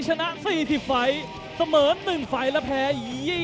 ชนะ๔๒ฝ่ายเสมอ๕ฝ่ายและแพ้๑๕ฝ่ายครับ